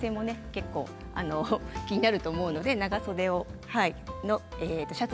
結構、気になると思うので長袖にしました。